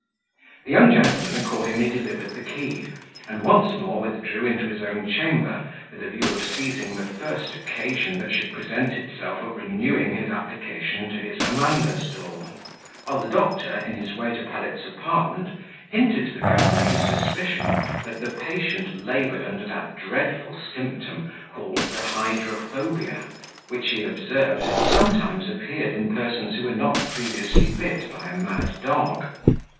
The young gentleman accordingly delivered the key, and once more withdrew into his own chamber, with a view of seizing the first occasion that should present itself of renewing his application to his Amanda's door; while the doctor, in his way to Pellet's apartment, hinted to the governor his suspicion that the patient laboured under that dreadful symptom called the hydrophobia, which he observed had sometimes appeared in persons who were not previously bit by a mad dog.